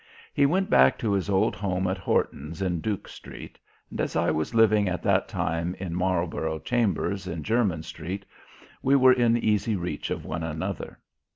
He went back to his old home at Horton's in Duke street, and as I was living at that time in Marlborough Chambers in Jermyn street we were in easy reach of one another.